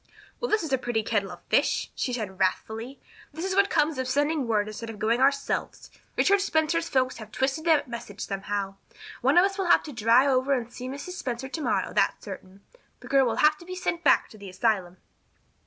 "Well, this is a pretty kettle of fish," she said wrathfully. "This is what comes of sending word instead of going ourselves. Richard Spencer's folks have twisted that message somehow. One of us will have to drive over and see Mrs. Spencer tomorrow, that's certain. This girl will have to be sent back to the asylum."